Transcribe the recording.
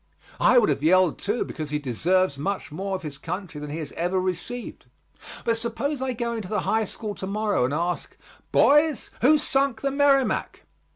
I would have yelled too, because he deserves much more of his country than he has ever received. But suppose I go into the High School to morrow and ask, "Boys, who sunk the Merrimac?"